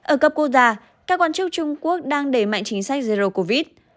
ở cấp quốc gia các quan chức trung quốc đang đẩy mạnh chính sách zero covid